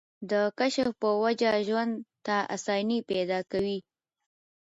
د کشف پۀ وجه ژوند ته اسانۍ پېدا کوي